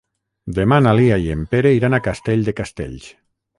Demà na Lia i en Pere iran a Castell de Castells.